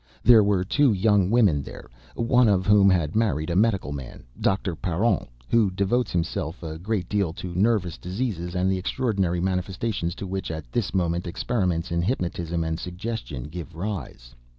There were two young women there, one of whom had married a medical man, Dr. Parent, who devotes himself a great deal to nervous diseases and the extraordinary manifestations to which at this moment experiments in hypnotism and suggestion give rise.